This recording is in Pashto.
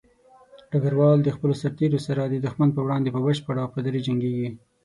ډګروال د خپلو سرتېرو سره د دښمن په وړاندې په بشپړه وفاداري جنګيږي.